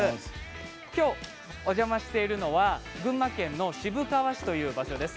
きょうお邪魔しているのは群馬県の渋川市という場所です。